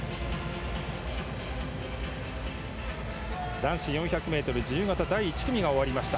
男子４００ｍ自由形第１組が終わりました。